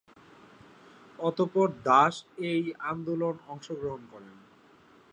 অতঃপর দাস এই আন্দোলনে অংশগ্রহণ করেন।